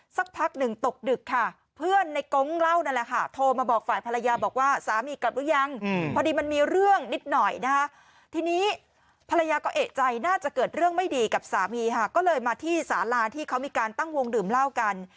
สักพักหนึ่งตกดึกค่ะเพื่อนในก๊งเล่านั่นแหละค่ะโทรมาบอกฝ่ายภรรยาบอกว่าสามีกลับหรือยังพอดีมันมีเรื่องนิดหน่อยนะคะทีนี้ภรรยาก็เอกใจน่าจะเกิดเรื่องไม่ดีกับสามีค่ะก็เลยมาที่สาราที่เขามีการตั้งวงดื่มเหล้ากัน